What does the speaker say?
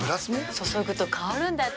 注ぐと香るんだって。